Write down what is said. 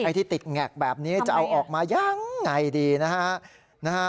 ที่ติดแงกแบบนี้จะเอาออกมายังไงดีนะฮะ